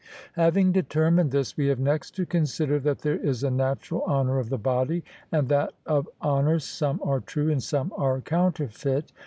Having determined this, we have next to consider that there is a natural honour of the body, and that of honours some are true and some are counterfeit.